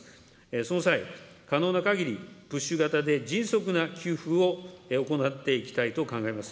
その際、可能なかぎりプッシュ型で迅速な給付を行っていきたいと考えます。